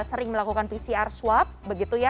sering melakukan pcr swab begitu ya